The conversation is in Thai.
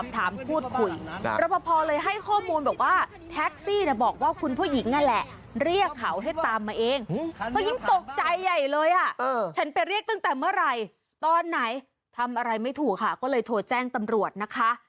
ตอนไหนทำอะไรไม่ถูกค่ะก็เลยโทรแจ้งตำรวจนะคะ